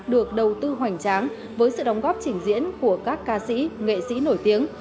được đầu tư hoành tráng với sự đóng góp trình diễn của các ca sĩ nghệ sĩ nổi tiếng